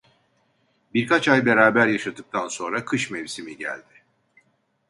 Birkaç ay beraber yaşadıktan sonra kış mevsimi geldi.